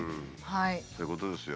はい。